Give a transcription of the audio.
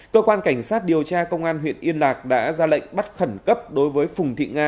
cơ quan cảnh sát điều tra công an huyện yên lạc đã ra lệnh bắt khẩn cấp đối với phùng thị nga